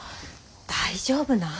大丈夫なん？